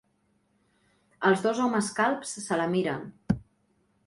Els dos homes calbs se la miren.